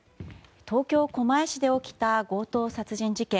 東京・狛江市で起きた強盗殺人事件。